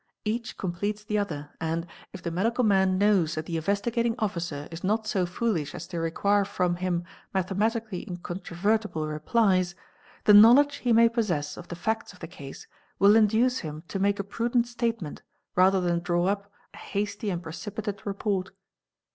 Each completes the other and, if the medical man knows that the Investigating Officer is not so foolish as to require . from him mathematically incontrovertible replies, the knowledge he may possess of the facts of the case will induce him to make a prudent statement rather than draw up a hasty and precipitate report "8.